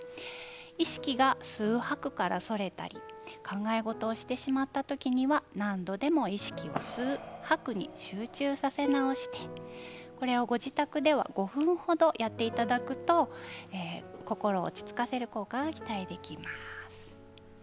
意識が吸う吐くからそれたり考え事をしてしまう時には何度でも意識を吸う吐くに集中させ直してご自宅で５分程やっていただくと心を落ち着かせることが期待できます。